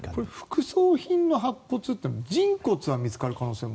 副葬品の発掘って人骨が見つかる可能性も。